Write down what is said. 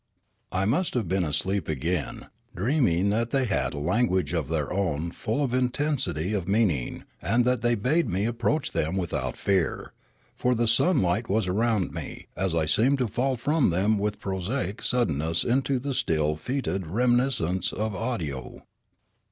I must have been asleep again, dreaming that they had a language of their own full of intensity of mean ing, and that they bade me approach them without fear ; for the sunlight was around me, as I seemed to fall from them with prosaic suddenness into the still fetid reminiscences of Awdyoo.